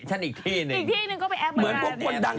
อันนี้คือไปกันมานอน